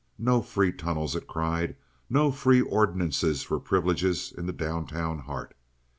No free tunnels, it cried; no free ordinances for privileges in the down town heart.